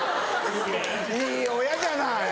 いい親じゃない。